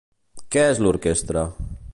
Què és l'orquestra?